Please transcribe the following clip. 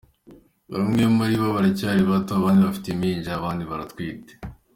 Bamwe muri bo baracyari bato, abandi bafite impinja, abandi baratwite.